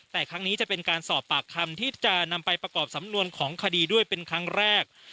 แต่ครั้งนี้จะเป็นการสอบปากคำที่จะนำไปประกอบสำนวนของคดีด้วยเป็นครั้งแรก